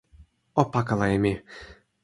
o pakala e mi.